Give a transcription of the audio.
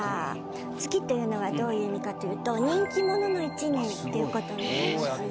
月はどういう意味かというと人気者の一年っていうことになります。